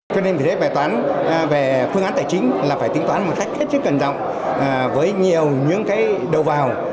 cho nên về phương án tài chính là phải tính toán một cách rất cần rộng với nhiều những đầu vào